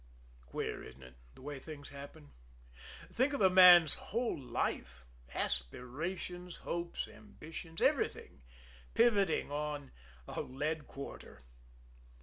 Queer, isn't it the way things happen? Think of a man's whole life, aspirations, hopes, ambitions, everything, pivoting on a lead quarter!